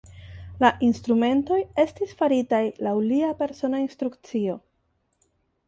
La instrumentoj estis faritaj laŭ lia persona instrukcio.